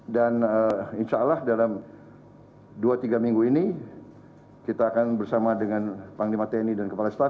dan insya allah dalam dua tiga minggu ini kita akan bersama dengan panglima tni dan kepala staf